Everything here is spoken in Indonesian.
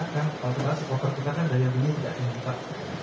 kalau tidak supporter kita kan daya belinya tidak tinggal rp empat ratus lima puluh